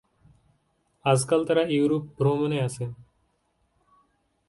আজকাল তারা ইউরোপ ভ্রমণে আছে।